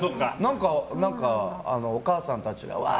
何か、お母さんたちがわー！